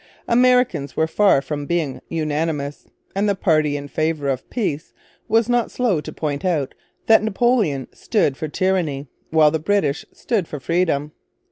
Americans were far from being unanimous; and the party in favour of peace was not slow to point out that Napoleon stood for tyranny, while the British stood for freedom.